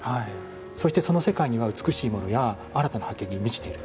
そしてその世界には美しいものや新たな発見に満ちている。